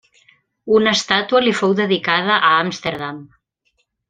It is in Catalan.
Una estàtua li fou dedicada a Amsterdam.